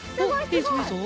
いいぞいいぞ！